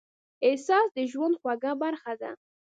احساس د ژوند خوږه برخه ده.